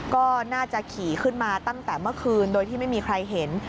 ก็น่าจะขี่ขึ้นมาตั้งแต่เมื่อคืนโดยที่ไม่มีใครเห็น